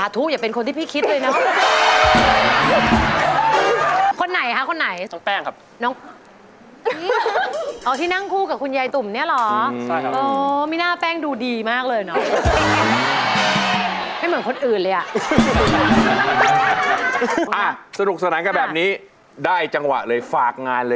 แต่หัวหน้าทีมพวกเธออ่ะไม่เห็นขยับเลยอ่ะ